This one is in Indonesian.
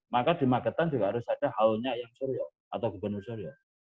maka di magetan juga harus ada haulnya yang suryo atau gubernur suryo